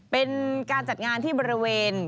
เป็นการจัดงานที่บริเวณ